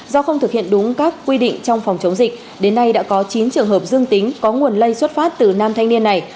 do không thực hiện đúng các quy định trong phòng chống dịch đến nay đã có chín trường hợp dương tính có nguồn lây xuất phát từ nam thanh niên này